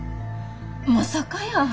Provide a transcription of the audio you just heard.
まさかやー。